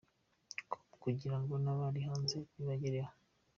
com kugira ngo n’abari hanze bibagereho.